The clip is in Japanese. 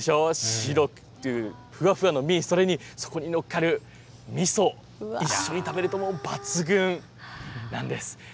白くてふわふわの身、それにそこにのっかるみそ、一緒に食べるともう抜群なんです。